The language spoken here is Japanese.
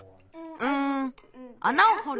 うんあなをほる